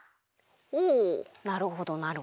おおなるほどなるほど。